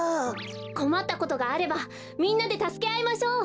こまったことがあればみんなでたすけあいましょう。